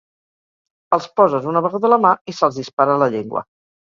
Els poses una beguda a la mà i se'ls dispara la llengua.